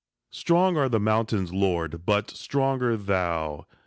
Strong are the mountains, Lord, but stronger thou